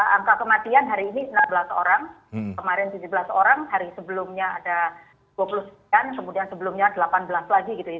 angka kematian hari ini enam belas orang kemarin tujuh belas orang hari sebelumnya ada dua puluh sembilan kemudian sebelumnya delapan belas lagi gitu ya